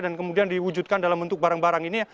dan kemudian diwujudkan dalam bentuk barang barang ini